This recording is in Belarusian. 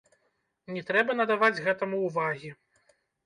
Не трэба надаваць гэтаму ўвагі.